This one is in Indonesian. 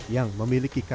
yang memiliki kemampuan